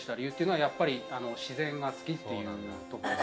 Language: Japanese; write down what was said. やっぱり自然が好きっていうところ。